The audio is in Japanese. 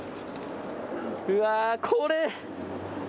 うわこれ。